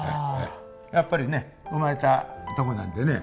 やっぱりね生まれたとこなんでね。